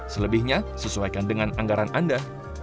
selebihnya sesuaikan dengan anggaran anda